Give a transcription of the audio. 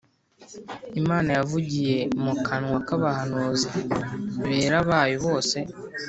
Imana yavugiye mu kanwa k’abahanuzi bera bayo bose